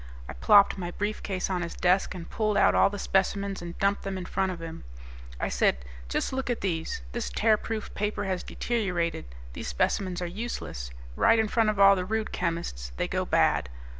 I plopped my briefcase on his desk and pulled out all the specimens and dumped them in front of him. I said, "Just look at these. This 'Tearproof Paper' has deteriorated. These specimens are useless. Right in front of all the Rude chemists, they go bad.